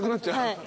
はい。